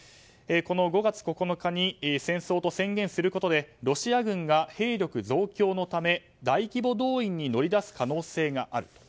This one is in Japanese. ５月９日に戦争と宣言することでロシア軍が兵力増強のため大規模動員に乗り出す可能性がある。